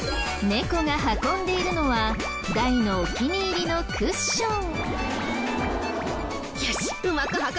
猫が運んでいるのは大のお気に入りのクッション。